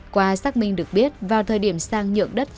qua xác minh được biết vào thời điểm sang nhượng đất cho huy